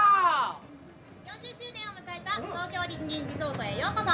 ４０周年を迎えた東京ディズニーリゾートへようこそ。